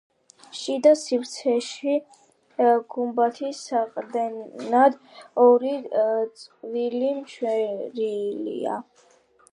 შიდა სივრცეში გუმბათის საყრდენად ორი წყვილი შვერილია.